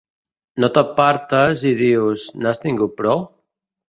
No t'apartes i dius "N'has tingut prou?"